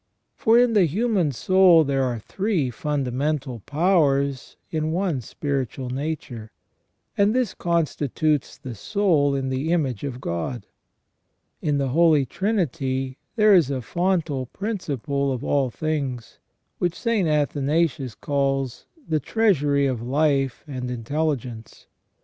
For in the human soul there are three fundamental powers in one spiritual nature, and this constitutes the soul in the image of God. In the Holy Trinity there is a fontal principal of all things, which St. Athanasius calls " the treasury of life and intelli gence